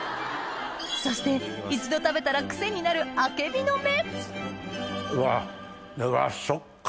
そして一度食べたらクセになるうわうわ食感